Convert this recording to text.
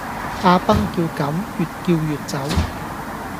阿崩叫狗越叫越走